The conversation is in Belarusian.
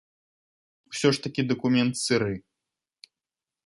Усё ж такі дакумент сыры.